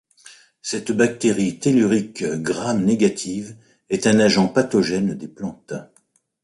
Cette bactérie tellurique Gram-négative est un agent pathogène des plantes.